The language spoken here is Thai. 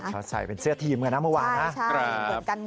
ท่อใช้อีกเสื้อทีมเมื่อวาน